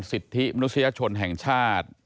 สิทธิมนุษยชนแห่งชาติ